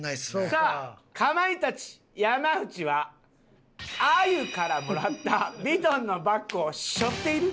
さあかまいたち山内はあゆからもらったヴィトンのバッグを背負っている？